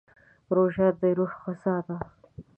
روژه د روح غذا ده.